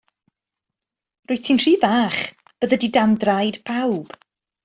Rwyt ti'n rhy fach, byddi di dan draed pawb.